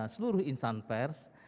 seluruh insan pers